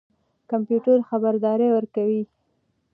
کمپيوټر خبردارى ورکوي.